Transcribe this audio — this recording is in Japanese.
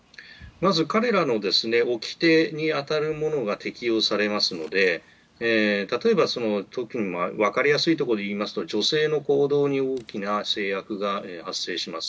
彼らのおきてに当たるものが適応されますので、例えば分かりやすいところでいうと女性の行動に大きな制約が発生します。